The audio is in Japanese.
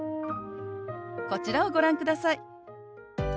こちらをご覧ください。